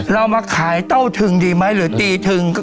เรามาขายเต้าทึงดีไหมหรือตีทึง